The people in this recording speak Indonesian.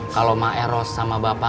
kalau mak eros sama bapak